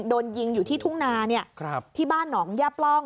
โดนยิงอยู่ที่ทุ่งนาเนี่ยครับที่บ้านหนองแย่ปล่อง